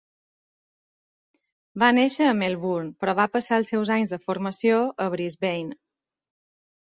Va néixer a Melbourne, però va passar els seus anys de formació a Brisbane.